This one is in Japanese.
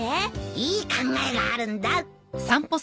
いい考えがあるんだ。